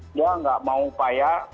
dia tidak mau upaya